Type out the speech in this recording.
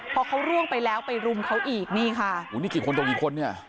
พอเขาร่วงไปแล้วไปรุมเขาอีกนี่ค่ะอุ้ยนี่กี่คนต่อกี่คนเนี่ย